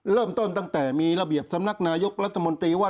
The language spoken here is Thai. เริ่มต้นตั้งแต่มีระเบียบสำนักนายุครัฐมนตรีว่า